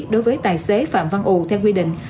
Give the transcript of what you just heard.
đối với tài xế phạm văn u theo quy định